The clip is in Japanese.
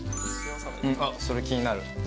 あっそれ気になる。